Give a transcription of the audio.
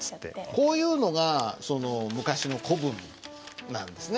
こういうのがその昔の古文なんですね。